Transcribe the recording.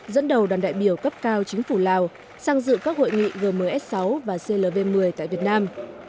dẫn đầu đoàn đại biểu cấp cao chính phủ lào sang dự các hội nghị g một mươi s sáu và clv một mươi tại việt nam